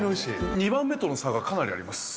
２番目との差がかなりあります。